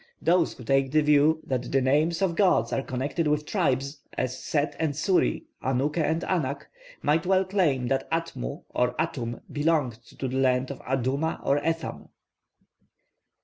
Those who take the view that the names of gods are connected with tribes, as Set and Suti, Anuke and Anak, might well claim that Atmu or Atum belonged to the land of Aduma or Etham.